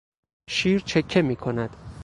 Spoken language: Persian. شیر چکه میکند.